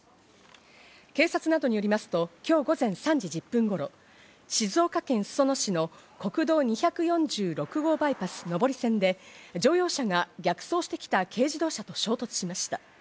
警察などによりますと今日午前３時１０分頃、静岡県裾野市の国道２４６号バイパス上り線で、乗用車が逆走してきた軽自動車と衝突しました。